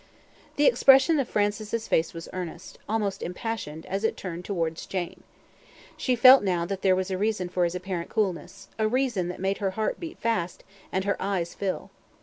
The expression of Francis' face was earnest almost impassioned as it turned towards Jane. She felt now that there was a reason for his apparent coolness a reason that made her heart beat fast and her eyes fill.